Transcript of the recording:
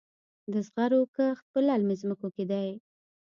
د زغرو کښت په للمي ځمکو کې دی.